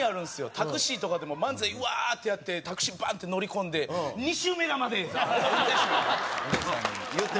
タクシーとかでも漫才わーってやってタクシーバンって乗り込んで運転手さんに言うて